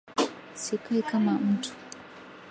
Sikai kama mtu